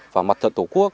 và mặt thuận tổ quốc